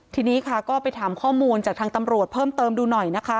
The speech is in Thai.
ทีนี้ค่ะก็ไปถามข้อมูลจากทางตำรวจเพิ่มเติมดูหน่อยนะคะ